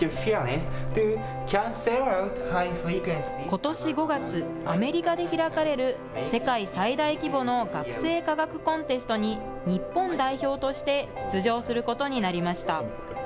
ことし５月、アメリカで開かれる世界最大規模の学生科学コンテストに、日本代表として出場することになりました。